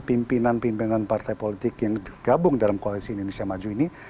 pimpinan pimpinan partai politik yang gabung dalam koalisi indonesia maju ini